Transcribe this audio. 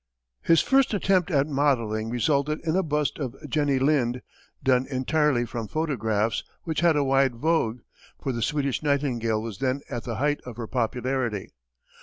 His first attempt at modelling resulted in a bust of Jenny Lind, done entirely from photographs, which had a wide vogue, for the Swedish Nightingale was then at the height of her popularity.